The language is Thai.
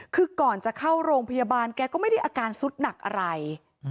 คือก่อนจะเข้าโรงพยาบาลแกก็ไม่ได้อาการสุดหนักอะไร